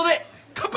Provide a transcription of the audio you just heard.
乾杯！